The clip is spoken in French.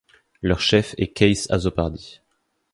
Leur chef est Keith Azopardi.